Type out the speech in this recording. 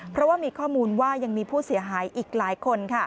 เพราะว่ามีข้อมูลว่ายังมีผู้เสียหายอีกหลายคน